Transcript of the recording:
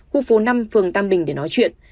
khu phố năm phường tam bình để nói chuyện